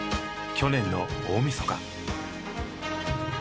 去年の大みそか。